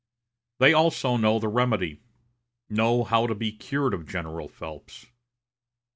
They also know the remedy know how to be cured of General Phelps.